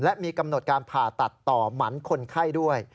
และมีกำหนดการผ่าตัดต่อหมันคนไข้ด้วย